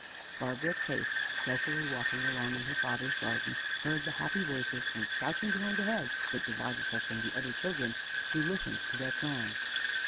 Barbara Case, sulkily walking alone in her father's garden, heard the happy voices and, crouching behind the hedge that divided her from the other children, she listened to their plans.